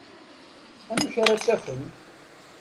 Amek ara tt-afen?